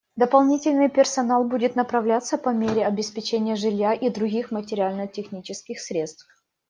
Дополнительный персонал будет направляться по мере обеспечения жилья и других материально-технических средств.